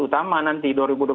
utama nanti dua ribu dua puluh